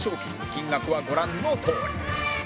金額はご覧のとおり